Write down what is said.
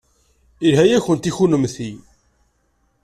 Yelha-yakent i kunemti.